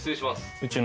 うちの。